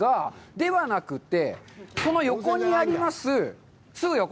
ではなくて、その横にあります、すぐ横。